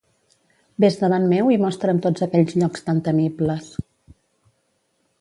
Ves davant meu i mostra'm tots aquells llocs tan temibles.